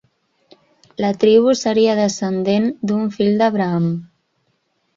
La tribu seria descendent d'un fill d'Abraham.